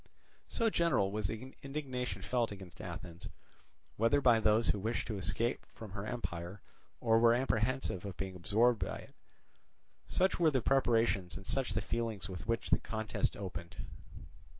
So general was the indignation felt against Athens, whether by those who wished to escape from her empire, or were apprehensive of being absorbed by it. Such were the preparations and such the feelings with which the contest opened.